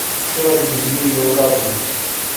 تھووری بجلی یوکاؤ ای؟